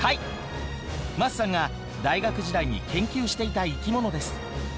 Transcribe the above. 桝さんが大学時代に研究していた生き物です。